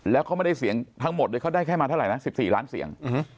แล้วเขาไม่ได้เสียงทั้งหมดเลยเขาได้แค่มาเท่าไหร่นะ๑๔ล้านเสียง